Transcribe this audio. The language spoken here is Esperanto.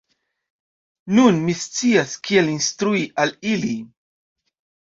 Nun mi scias kiel instrui al ili!